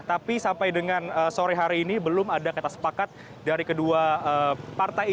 tapi sampai dengan sore hari ini belum ada kata sepakat dari kedua partai